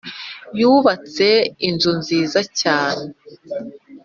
Yubatse inzu nziza cyane